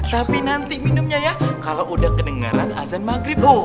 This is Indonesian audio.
tapi nanti minumnya ya kalau udah kedengaran azan maghrib oh